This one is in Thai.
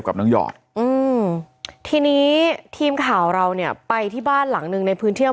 กับน้องหยอดอืมทีนี้ทีมข่าวเราเนี่ยไปที่บ้านหลังหนึ่งในพื้นที่อำเภอ